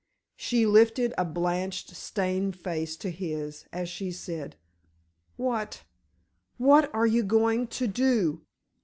She lifted a blanched, strained face to his, as she said: "What—what are you going to do?"